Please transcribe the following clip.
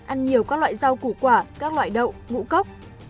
ăn nhiều các loại rau củ quả các loại đậu ngũ cốc